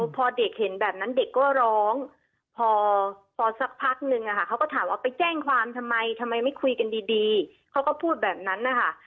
พอเด็กเห็นแบบนั้นเด็กก็ร้องพอสักพักนึงเขาก็ถามว่าไปแจ้งความทำไมทำไมไม่คุยกันดีเขาก็พูดแบบนั้นนะคะ